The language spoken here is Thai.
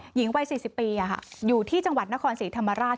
หญิงวัย๔๐ปีอยู่ที่จังหวัดนครศรีธรรมราช